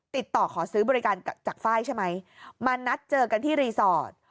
ติดต่อขอซื้อบริการจากไฟล์ใช่ไหมมานัดเจอกันที่รีสอร์ท